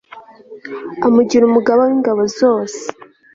amugira umugaba w'ingabo zose